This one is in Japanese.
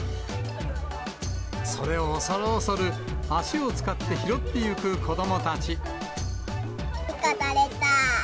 それを恐る恐る、足を使って拾っていく子どもたち。